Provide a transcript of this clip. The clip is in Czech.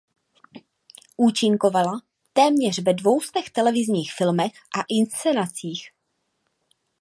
Účinkovala téměř ve dvou stech televizních filmech a inscenacích.